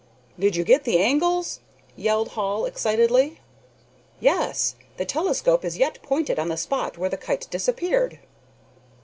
"Did you get the angles?" yelled Hall, excitedly. "Yes; the telescope is yet pointed on the spot where the kite disappeared."